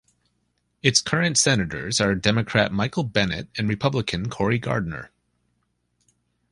Its current senators are Democrat Michael Bennet and Republican Cory Gardner.